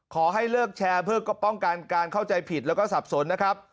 ขอให้เลิกแชร์เพื่อก็ป้องกันการเข้าใจผิดแล้วก็สับสนนะครับ